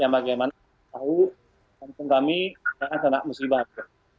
yang bagaimana tahu kampung kami kan sangat musibah